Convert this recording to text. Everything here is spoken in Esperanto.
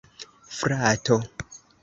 frato